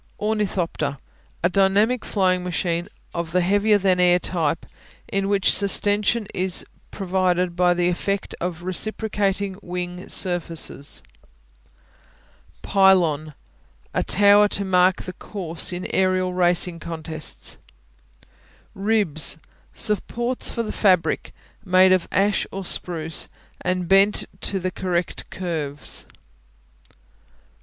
Ornithopter A dynamic flying machine of the heavier than air type, in which sustension is provided by the effect of reciprocating wing surfaces. Pylon A tower to mark the course in aerial racing contests. Ribs Supports for the fabric, made of ash or spruce and bent to the correct curves.